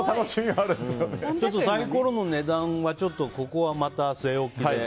ちょっとサイコロの値段はここはまた据え置きで。